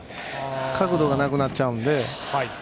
角度がなくなっちゃうので。